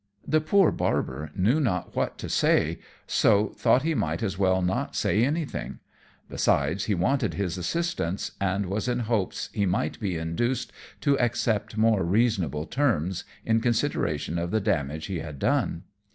_] The poor Barber knew not what to say, so thought he might as well not say anything; besides, he wanted his assistance, and was in hopes he might be induced to accept more reasonable terms in consideration of the damage he had done.